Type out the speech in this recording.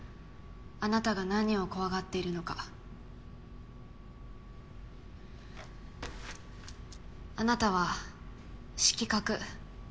あなたが何を怖がっているのか。あなたは色覚。